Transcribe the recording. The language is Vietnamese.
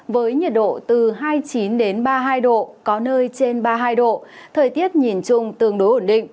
với nhiệt độ từ hai mươi chín ba mươi hai độ có nơi trên ba mươi hai độ